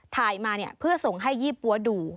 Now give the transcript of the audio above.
ถ่ายมาเพื่อส่งให้ยี่ปั๊วดู